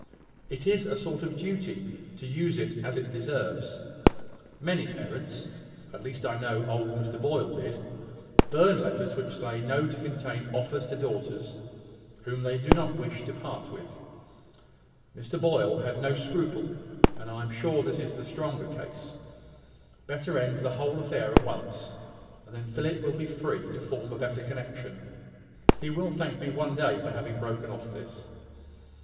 It is a sort of duty to use it as it deserves. Many parents (at least I know old Mr Boyle did) burn letters which they know to contain offers to daughters whom they do not wish to part with. Mr Boyle had no scruple; and I am sure this is a stronger case. Better end the whole affair at once; and then Philip will be free to form a better connection. He will thank me one day for having broken off this."